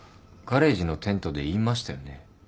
ガレージのテントで言いましたよね。